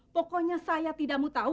pokoknya saya tidak mau tahu